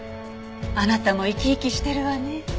あなたも生き生きしてるわね。